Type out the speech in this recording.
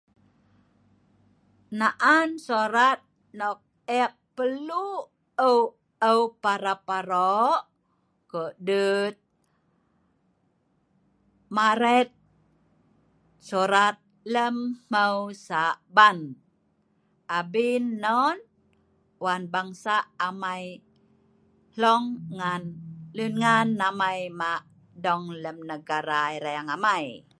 naan sorat nok ek perlu eu eu parap arok kudut maret surat lem hmeu Sa'ban, abin non wan bangsa amai hlong ngan lun ngan amai ma dong lem negala erang amai